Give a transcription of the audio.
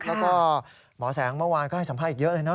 แล้วก็หมอแสงเมื่อวานก็ให้สัมภาษณ์อีกเยอะเลยนะ